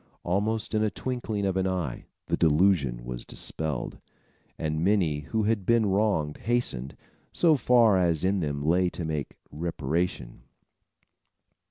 Almost in the twinkling of an eye, the delusion was dispelled, and many who had been wrong hastened, so far as in them lay to make reparation.